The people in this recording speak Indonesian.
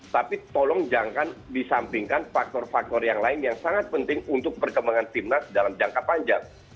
tapi tolong jangan disampingkan faktor faktor yang lain yang sangat penting untuk perkembangan timnas dalam jangka panjang